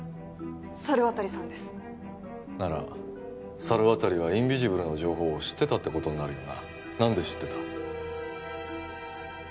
猿渡さんですなら猿渡はインビジブルの情報を知ってたってことになるよな何で知ってた？